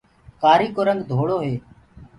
ڪآري ڪو رنگ ڌݪو هي۔